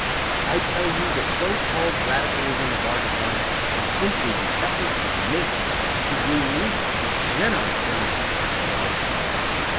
I tell you, the so called radicalism of our times is simply the effort of nature to release the generous energies of our people.